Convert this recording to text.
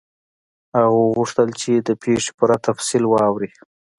هغه وغوښتل چې د پیښې پوره تفصیل واوري.